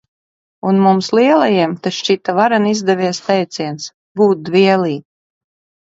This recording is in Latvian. Un mums, lielajiem, tas šķita varen izdevies teiciens – "būt dvielī".